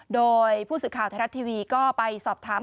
โดยผู้สื่อข่าวไทยรัฐทีวีก็ไปสอบถาม